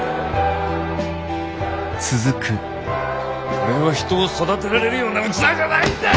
俺は人を育てられるような器じゃないんだよ！